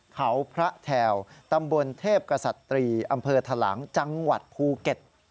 เขาพระแถวตำบลเทพกษัตรีอำเภอทะลังจังหวัดภูเก็ต